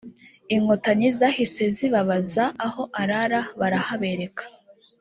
inkotanyi zahise zibabaza aho arara barahabereka